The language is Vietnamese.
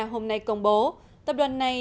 hôm nay công bố tập đoàn này